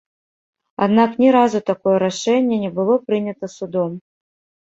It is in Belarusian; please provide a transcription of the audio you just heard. Аднак ні разу такое рашэнне не было прынята судом.